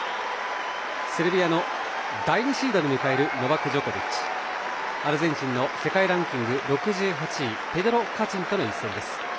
セルビアの第２シードに迎えるノバク・ジョコビッチアルゼンチンの世界ランキング６８位ペドロ・カチンとの一戦です。